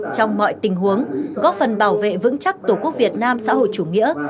trong mọi tình huống góp phần bảo vệ vững chắc tổ quốc việt nam xã hội chủ nghĩa